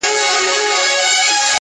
ويل موري ستا تر ژبي دي قربان سم!.